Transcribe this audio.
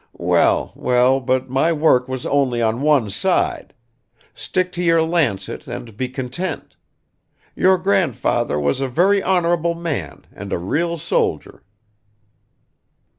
Well, well, but my work was only on one side; stick to your lancet and be content! Your grandfather was a very honorable man and a real soldier."